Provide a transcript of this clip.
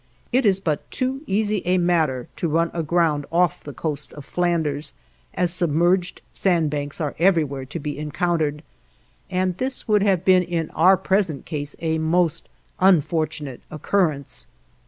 It is but too easy a matter to run aground off the coast of Flanders, as submerged sandbanks are everywhere to be encountered, and this would have been in our present case a most unfortunate occurrence.